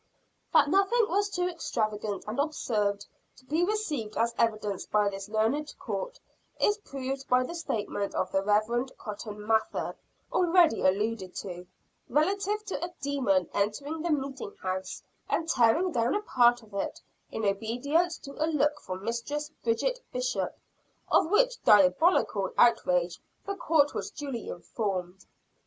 That nothing was too extravagant and absurd to be received as evidence by this learned court, is proven by the statement of the Reverend Cotton Mather, already alluded to, relative to a demon entering the meeting house and tearing down a part of it, in obedience to a look from Mistress Bridget Bishop of which diabolical outrage the Court was duly informed.